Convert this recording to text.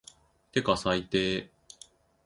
てか最低